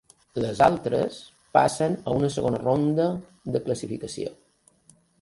Les altres passen a una segona ronda de classificació.